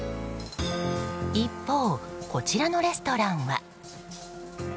一方、こちらのレストランは。